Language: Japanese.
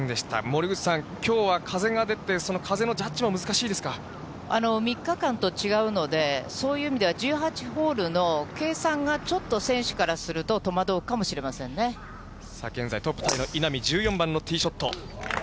森口さん、きょうは風が出て、３日間と違うので、そういう意味では、１８ホールの計算がちょっと選手からすると、戸惑うかもしれませさあ、現在トップタイの稲見、１４番のティーショット。